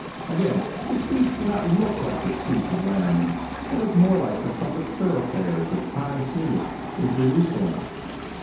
Again, the streets do not look like the streets of Laramie. They look more like the public thoroughfares of Tie City or Jerusalem.